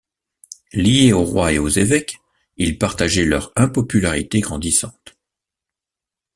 Lié au Roi et aux évêques, il partageait leur impopularité grandissante.